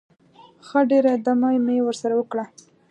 ښه ډېره دمه مې ورسره وکړه.